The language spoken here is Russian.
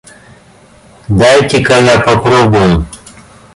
Дайте-ка я попробую.